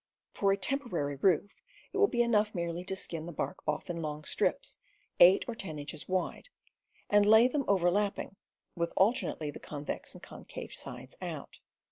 For a temporary roof it will be enough merely to skin the bark off in long strips eight or ten inches wide, and lay them overlapping, with alternately the convex and concave sides out.